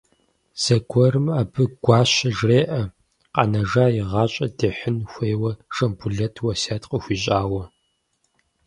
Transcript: Зэгуэрым абы Гуащэ жреӏэ, къэнэжа и гъащӏэр дихьын хуейуэ Жамбулэт уэсят къыхуищӏауэ.